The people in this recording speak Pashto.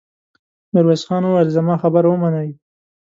ميرويس خان وويل: زما خبره ومنئ!